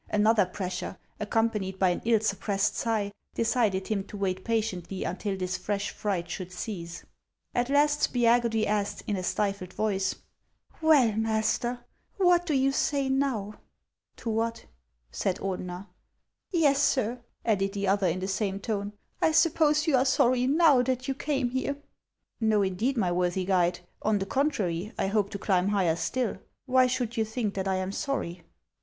Another pressure, accompanied by an ill suppressed sigh, decided him to wait patiently until this fresh fright should cease. At last Spiagudry asked, in a stifled voice :" Well, master, what do you say now ?"" To what ?" said Ordener. " Yes, sir," added the other, in the same tone ;" I sup pose you are sorry now that you came here ?"" Xo, indeed, my worthy guide ; on the contrary, I hope to climb higher stilL Why should you think that I am sorry